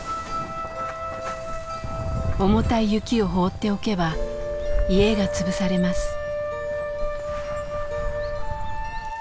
重たい雪を放っておけば家が潰されます。